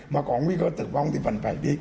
mà có nguy cơ tử vong thì vẫn phải đi